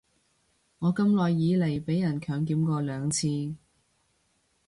我咁耐以來被人強檢過兩次